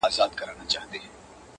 شعـر كي مي راپـاتـــه ائـيـنه نـه ده ـ